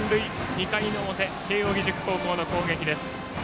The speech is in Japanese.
２回の表慶応義塾高校の攻撃です。